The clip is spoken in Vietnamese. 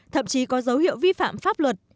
thậm chí có dấu hiệu vi phạm pháp luật